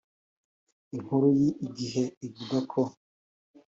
Inkuru ya Igihe ivuga ko